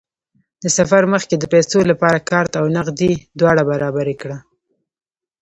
د سفر مخکې د پیسو لپاره کارت او نغدې دواړه برابرې کړه.